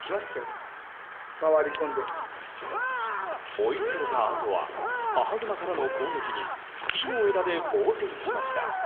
追いつかれたあとは母グマからの攻撃に木の枝で防戦しました。